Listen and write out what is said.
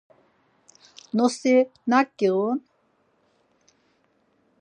Nosi nak giğun?